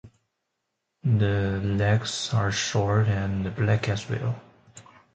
The legs are short and black as well.